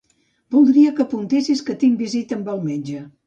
Voldria que apuntessis que tinc visita amb el metge.